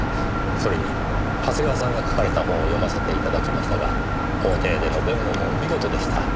それに長谷川さんが書かれた本を読ませて頂きましたが法廷での弁護も見事でした。